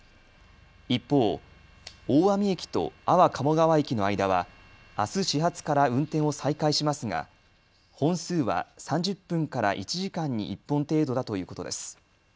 一方、大網駅と安房鴨川駅の間はあす始発から運転を再開しますが本数は３０分から１時間に１本程度だということです。